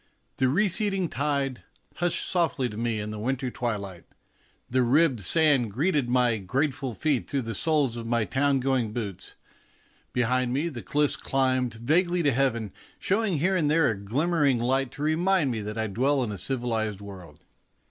The receding tide hushed softly to me in the winter twilight ; the ribbed sand greeted my grateful feet through the soles of my town going boots ; behind me the cliffs climbed vaguely to heaven, AN ELECTION TIDE DREAM 135 showing here and there a glimmering light to remind me that I dwell in a civilized world.